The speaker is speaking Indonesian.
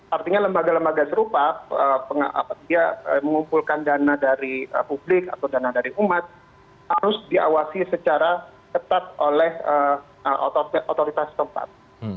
artinya lembaga lembaga serupa dia mengumpulkan dana dari publik atau dana dari umat harus diawasi secara ketat oleh otoritas tempat